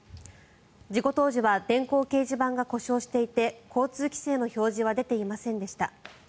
事故当時は電光掲示板が故障していて交通規制の表示は出ていませんでした。